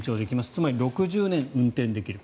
つまり６０年運転できる。